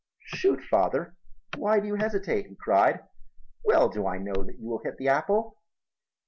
"Shoot, father, why do you hesitate?" he cried. "Well do I know that you will hit the apple."